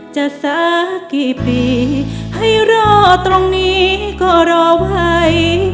สักกี่ปีให้รอตรงนี้ก็รอภัย